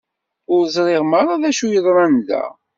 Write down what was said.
Ur ẓriɣ meṛṛa d acu yeḍran da.